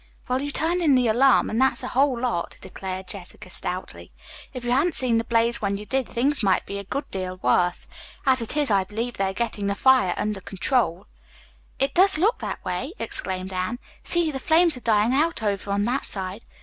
"Well, you turned in the alarm, and that's a whole lot," declared Jessica stoutly. "If you hadn't seen the blaze when you did things might be a good deal worse. As it is, I believe they are getting the fire under control." "It does look that way," exclaimed Anne. "See, the flames are dying out over on that side.